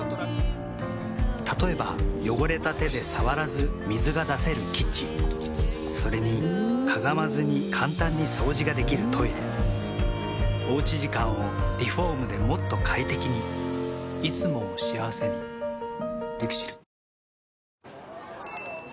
例えば汚れた手で触らず水が出せるキッチンそれにかがまずに簡単に掃除ができるトイレおうち時間をリフォームでもっと快適にいつもを幸せにＬＩＸＩＬ。